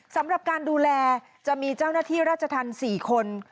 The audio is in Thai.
สำหรับการดูแลจะมีเจ้าหน้าที่ราชธรรม๔คน